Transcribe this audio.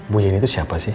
bu yeni itu siapa sih